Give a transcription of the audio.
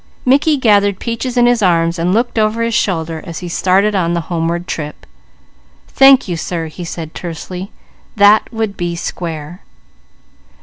Mickey gathered Peaches in his arms and looked over his shoulder as he started on the homeward trip. "Thank you sir," he said tersely. "That would be square."